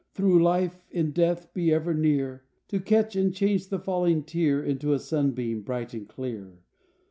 Thru life, in death be ever near To catch and change the falling tear Into a sunbeam bright and clear.